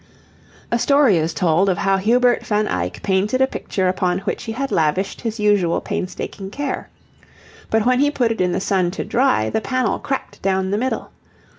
A story is told of how Hubert van Eyck painted a picture upon which he had lavished his usual painstaking care. But when he put it in the sun to dry, the panel cracked down the middle.